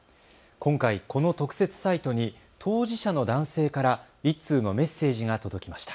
今回、この特設サイトに当事者の男性から１通のメッセージが届きました。